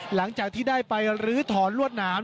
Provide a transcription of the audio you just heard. หลังจากที่ได้ไปลื้อถอนลวดหนาม